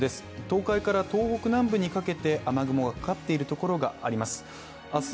東海から東北南部にかけて雨雲がかかっているところがあります。